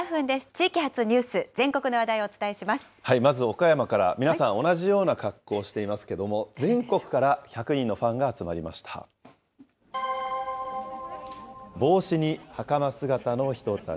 地域発ニュース、全国の話題をおまず岡山から、皆さん、同じような格好をしていますけれども、全国から１００人のファンが集まりました。